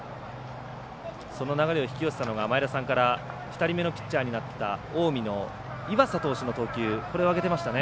その流れを引き寄せたのが２人目のピッチャーになった近江の岩佐投手の投球を挙げていましたね。